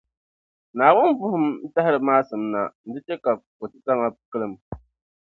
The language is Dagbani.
Naawuni vuhim n-tahiri maasim na, nti chɛ ka ko’ titaŋa kilim.